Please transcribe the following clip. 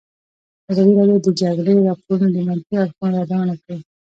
ازادي راډیو د د جګړې راپورونه د منفي اړخونو یادونه کړې.